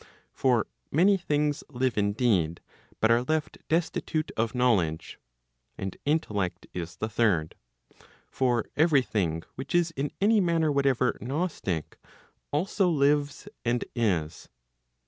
For many things live indeed, but are left destitute of knowledge. And intellect is the third. For every thing which is in any manner whatever gnostic, also lives and is.